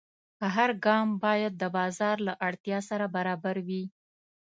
هر ګام باید د بازار له اړتیا سره برابر وي.